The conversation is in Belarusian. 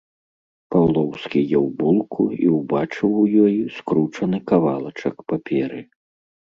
Паўлоўскі еў булку і ўбачыў у ёй скручаны кавалачак паперы.